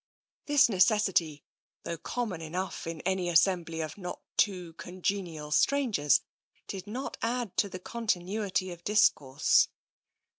This necessity, though common enough in any assembly of not too congenial strangers, did not add to continuity of discourse.